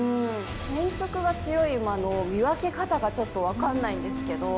千直が強い馬の見分け方がちょっと分かんないんですけど。